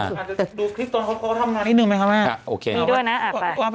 อาจจะดูคลิปตัวเขาก็ทำมานิดหนึ่งไหมครับแม่